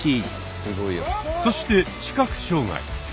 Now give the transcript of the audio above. そして視覚障害。